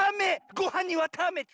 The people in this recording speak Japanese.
ごはんにわたあめって！